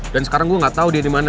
dan sekarang gue gak tau dia dimana